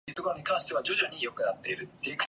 He has also played for Talk Show and Spiralarms.